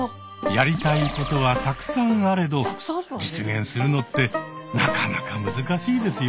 やりたいことはたくさんあれど実現するのってなかなか難しいですよね。